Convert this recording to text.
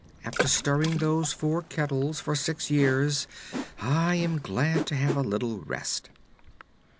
After stirring those four kettles for six years I am glad to have a little rest."